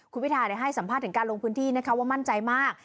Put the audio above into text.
คุณพิทาให้สัมภาษณ์ถึงการลงพื้นที่นะคะว่ามั่นใจมาก